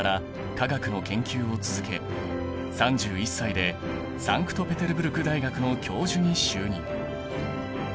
化学の研究を続け３１歳でサンクトペテルブルク大学の教授に就任。